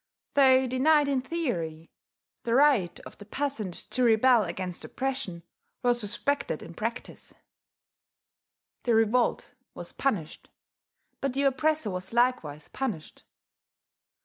Though denied in theory, the right of the peasant to rebel against oppression was respected in practice; the revolt was punished, but the oppressor was likewise punished.